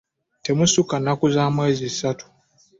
Temusukka nnaku za mwezi ssatu.